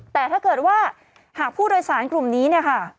แต่ถ้าเกิดว่าหากผู้โดยสารกลุ่มนี้เนี่ยค่ะ